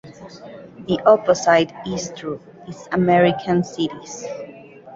The opposite is true is American cities.